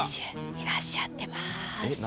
いらっしゃってます。